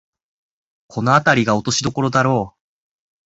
このあたりが落としどころだろう